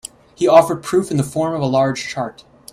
He offered proof in the form of a large chart.